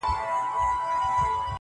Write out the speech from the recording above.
سترګي د محفل درته را واړوم.!